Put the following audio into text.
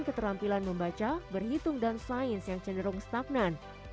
keterampilan membaca berhitung dan sains yang cenderung stagnan